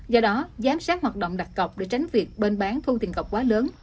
do đó giám sát hoạt động đặt cọc để tránh việc bên bán thu tiền cọc quá lớn